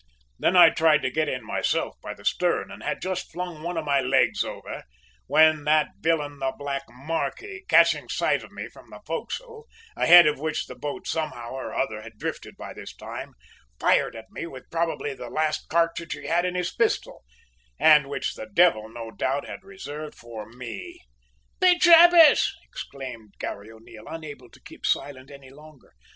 "Then I tried to get in myself by the stern, and had just flung one of my legs over when that villain the black `marquis,' catching sight of me from the forecastle, ahead of which the boat somehow or other had drifted by this time, fired at me with probably the last cartridge he had left in his pistol, and which the devil no doubt had reserved for me." "Be jabers!" exclaimed Garry O'Neil, unable to keep silent any longer.